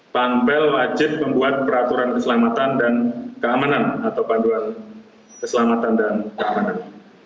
pampel wajib membuat peraturan keselamatan dan keamanan atau panduan keselamatan dan keamanan